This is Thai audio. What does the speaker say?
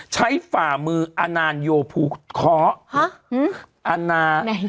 ใช้ฝ่ามืออานานโยภูเคาะ